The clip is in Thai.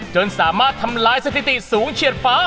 จนสามารถทำลายสถิติสูงเฉียดฟ้า